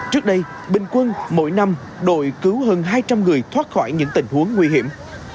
trước đây bình quân mỗi năm đội cứu hơn hai trăm linh người thoát khỏi những tình huống nguy hiểm